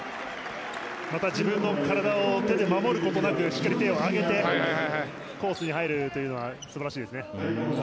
また自分の体を手で守ることなくしっかり手を上げてコースに入るというのは素晴らしいですね。